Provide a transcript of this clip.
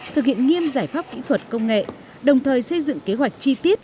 thực hiện nghiêm giải pháp kỹ thuật công nghệ đồng thời xây dựng kế hoạch chi tiết